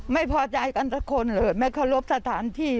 ไม่พอใจกันสักคนเลยไม่เคารพสถานที่